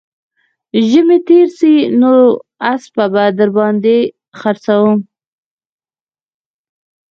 زمى تېر سي نو اسپه به در باندې خرڅوم